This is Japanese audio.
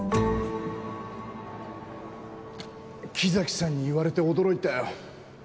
木崎さんに言われて驚いたよ。